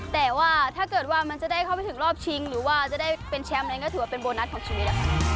แต่ว่าถ้าเกิดว่ามันจะได้เข้าไปถึงรอบชิงหรือว่าจะได้เป็นแชมป์อะไรก็ถือว่าเป็นโบนัสของชีวิต